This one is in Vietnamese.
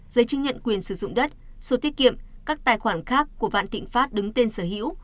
giấy chứng nhận quyền sử dụng đất số tiết kiệm các tài khoản khác của vạn thịnh pháp đứng tên sở hữu